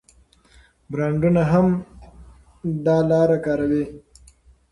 برانډونه هم دا لاره کاروي.